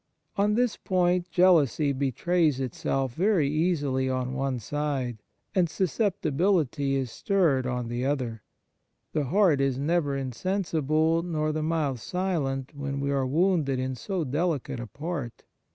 On this point jealousy betrays itself very easily on one side, and susceptibility is stirred on the other. The heart is never insensible nor the mouth silent when we are wounded in so delicate a part.